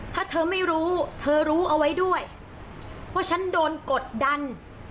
ถ้าเธอไม่รู้เธอรู้เอาไว้ด้วยเพราะฉันโดนกดดัน